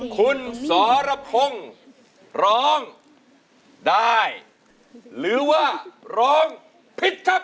คุณสรพงศ์ร้องได้หรือว่าร้องผิดครับ